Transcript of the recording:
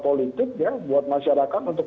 politik ya buat masyarakat untuk